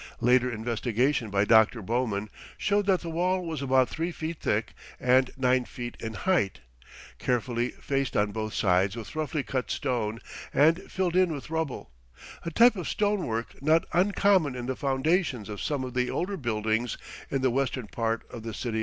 Later investigation by Dr. Bowman showed that the wall was about three feet thick and nine feet in height, carefully faced on both sides with roughly cut stone and filled in with rubble, a type of stonework not uncommon in the foundations of some of the older buildings in the western part of the city of Cuzco.